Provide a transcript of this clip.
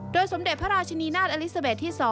สมเด็จพระราชนีนาฏอลิซาเบสที่๒